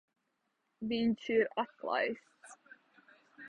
Viņš ir atlaists.